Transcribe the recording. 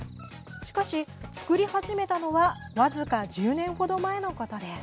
しかし、作り始めたのは僅か１０年ほど前のことです。